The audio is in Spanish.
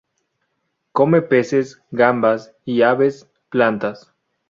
Come peces, gambas y, a veces, plantas.